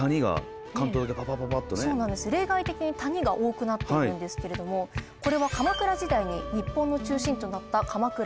例外的に「谷」が多くなっているんですけれどもこれは鎌倉時代に日本の中心地となった鎌倉。